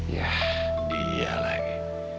yah dia lagi